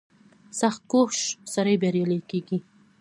• سختکوش سړی بریالی کېږي.